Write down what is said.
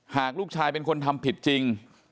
หากลูกชายเป็นคนทำผิดจริง